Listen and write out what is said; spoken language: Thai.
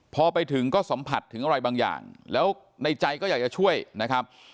พอไปถึงก็สัมผัสถึงอะไรบางอย่างแล้วในใจก็อยากจะช่วยนะครับ